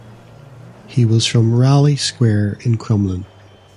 He was from Raleigh Square in Crumlin.